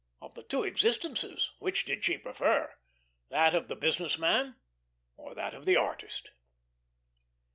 Of the two existences which did she prefer, that of the business man, or that of the artist?